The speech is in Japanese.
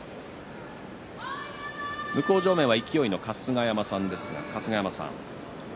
向正面は、勢の春日山さんです。